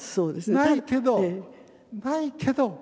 ないけどないけど。